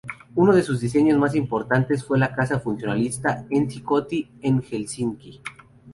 Uno de sus diseños más importantes fue la casa funcionalista Ensi-Koti en Helsinki.